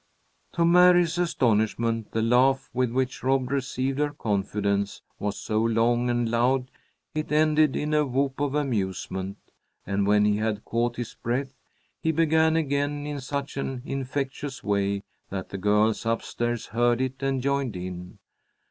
To Mary's astonishment, the laugh with which Rob received her confidence was so long and loud it ended in a whoop of amusement, and when he had caught his breath he began again in such an infectious way that the girls up stairs heard it and joined in.